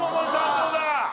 どうだ？